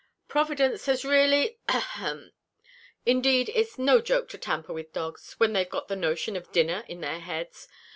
Providence has really ahem! indeed it's no joke to tamper with dogs, when they've got the notion of dinner in their heads.